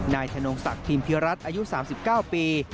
นายธนงศักดิ์ทีมพิรัตน์อายุ๓๙ปี